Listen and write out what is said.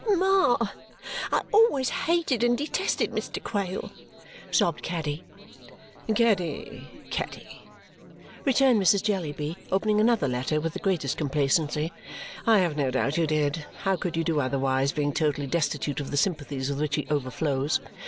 "Ma, I always hated and detested Mr. Quale!" sobbed Caddy. "Caddy, Caddy!" returned Mrs. Jellyby, opening another letter with the greatest complacency. "I have no doubt you did. How could you do otherwise, being totally destitute of the sympathies with which he overflows!